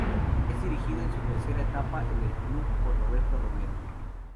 Es dirigido, en su tercera etapa en el club, por Roberto Romero.